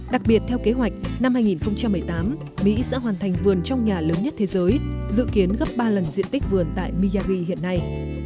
đặc biệt theo kế hoạch năm hai nghìn một mươi tám mỹ sẽ hoàn thành vườn trong nhà lớn nhất thế giới dự kiến gấp ba lần diện tích vườn tại miyagi hiện nay